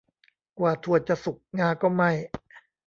กว่าถั่วจะสุกงาก็ไหม้